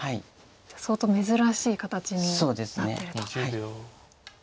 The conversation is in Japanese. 相当珍しい形になってると。